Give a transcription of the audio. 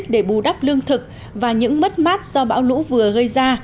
để bù đắp lương thực và những mất mát do bão lũ vừa gây ra